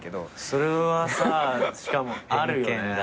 それはさしかもあるよね。